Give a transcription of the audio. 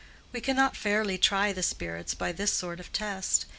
We cannot fairly try the spirits by this sort of test.